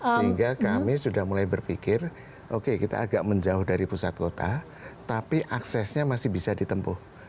sehingga kami sudah mulai berpikir oke kita agak menjauh dari pusat kota tapi aksesnya masih bisa ditempuh